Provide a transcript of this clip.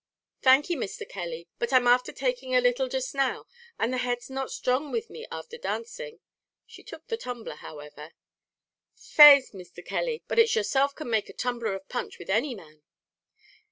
"Thank ye, Mr. Kelly, but I am afther taking a little jist now, and the head's not sthrong with me afther dancing;" she took the tumbler, however. "Faix, Mr. Kelly, but it's yourself can make a tumbler of punch with any man."